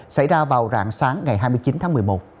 xảy ra vào rạng sáng ngày hai mươi chín tháng một mươi một